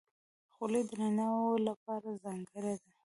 خولۍ د نارینه وو لپاره ځانګړې ده.